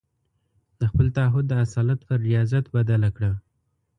د خپل تعهد د اصالت پر رياضت بدله کړه.